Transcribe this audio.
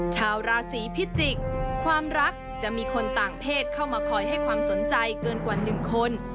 ชาวราศีพิจิกษ์ความรักจะมีคนต่างเพศเข้ามาคอยให้ความสนใจเกินกว่า๑คน